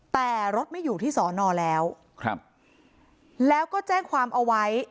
แต่รถไม่อยู่ที่สอนอแล้วครับแล้วก็แจ้งความเอาไว้